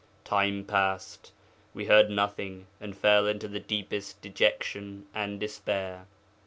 'Time passed; we heard nothing, and fell into the deepest dejection and despair.